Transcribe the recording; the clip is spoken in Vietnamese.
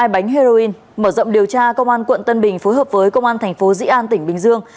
hai bánh heroin mở rộng điều tra công an quận tân bình phối hợp với công an tp di an tỉnh bình dương